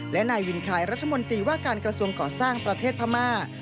และนายวินไทยรัฐมนตรีว่าการกระทรวงก่อสร้างประเทศพม่า